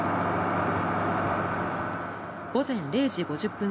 午前０時５０分